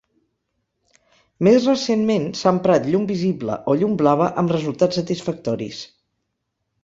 Més recentment, s'ha emprat llum visible o llum blava amb resultats satisfactoris.